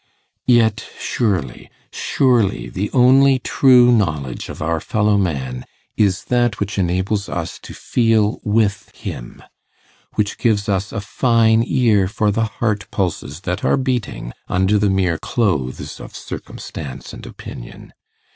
Yet surely, surely the only true knowledge of our fellow man is that which enables us to feel with him which gives us a fine ear for the heart pulses that are beating under the mere clothes of circumstance and opinion.